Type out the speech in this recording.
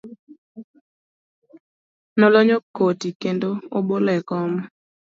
Nolonyo koti kendo obolo e kom.